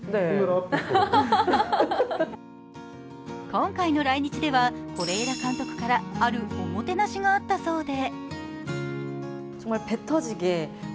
今回の来日では、是枝監督からあるおもてなしがあったそうで。